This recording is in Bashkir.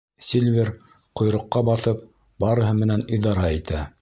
Сильвер, ҡойроҡҡа баҫып, барыһы менән идара итә.